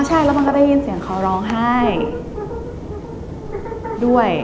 ใช่แล้วมันก็ได้ยินเสียงเขาร้องไห้ด้วย